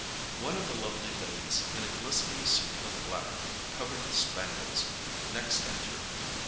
One of the lovely ladies, in a glistening suit of black, covered with spangles, next entered.